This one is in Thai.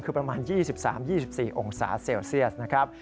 คือประมาณ๒๓๒๔องศาเซลเซียสนะครับ